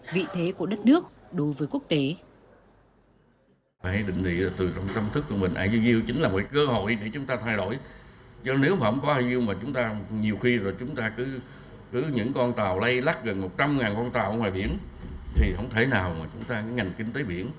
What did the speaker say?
vị thế của đất nước đối với quốc tế